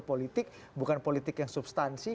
politik bukan politik yang substansi